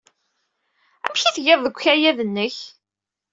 Amek ay tgiḍ deg ukayad-nnek?